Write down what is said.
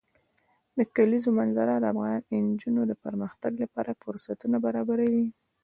د کلیزو منظره د افغان نجونو د پرمختګ لپاره فرصتونه برابروي.